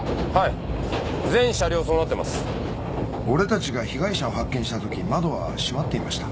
俺達が被害者を発見した時窓は閉まっていました。